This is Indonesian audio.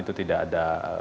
itu tidak ada